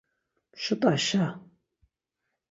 Mşut̆aşa...